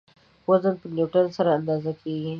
وزن په نیوټن سره اندازه کیږي.